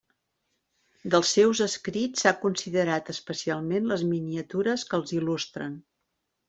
Dels seus escrits s'ha considerat especialment les miniatures que els il·lustren.